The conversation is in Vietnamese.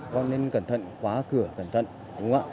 con nên cẩn thận khóa cửa cẩn thận